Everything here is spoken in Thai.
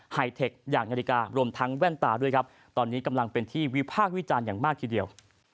ไทเทคอย่างนาฬิการวมทั้งแว่นตาด้วยครับตอนนี้กำลังเป็นที่วิพากษ์วิจารณ์อย่างมากทีเดียว